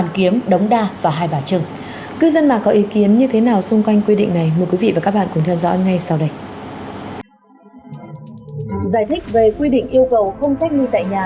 giải thích về quy định yêu cầu không cách ly tại nhà